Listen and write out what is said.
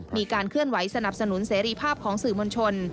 มีการเคลื่อนไหวสนับสนุนเสรีภาพของสื่อมวลชน